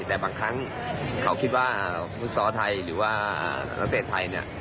แต่บางครั้งเขาคิดว่าฟุตซอลไทยหรือว่านักเตะไทยเนี่ย